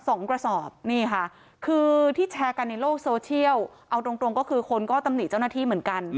กระสอบนี่ค่ะคือที่แชร์กันในโลกโซเชียลเอาตรงตรงก็คือคนก็ตำหนิเจ้าหน้าที่เหมือนกัน